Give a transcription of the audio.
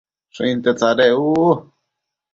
Shuinte tsadec u